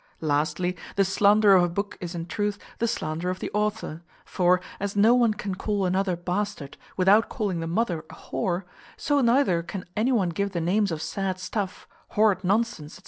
Lastly, the slander of a book is, in truth, the slander of the author: for, as no one can call another bastard, without calling the mother a whore, so neither can any one give the names of sad stuff, horrid nonsense, &c.